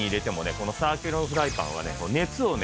このサーキュロンフライパンはね熱をね